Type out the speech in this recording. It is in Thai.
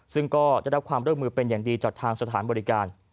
ซึ่งก็ได้รับความร่วมมือเป็นอย่างดีจากทางสถานบริการ